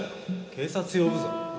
警察呼ぶぞ。